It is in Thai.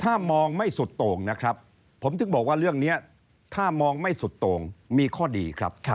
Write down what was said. ถ้ามองไม่สุดโต่งนะครับผมถึงบอกว่าเรื่องนี้ถ้ามองไม่สุดโต่งมีข้อดีครับ